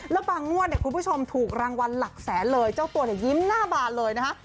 แล้วบางงวดเนี่ยคุณผู้ชมถูกรางวัลหลักแสนเลยเจ้าตัวเนี่ยยิ้มหน้าบานเลยนะคะ